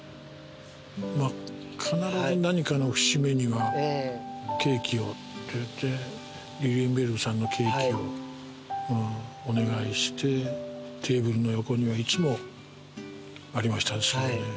まぁ必ず何かの節目にはケーキをっていってリリエンベルグさんのケーキをお願いしてテーブルの横にはいつもありましたですね